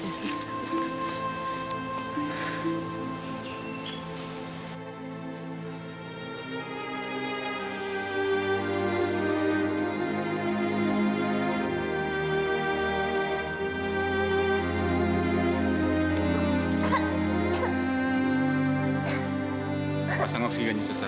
masang oksigenya susah